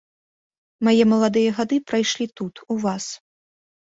Мае маладыя гады прайшлі тут, у вас.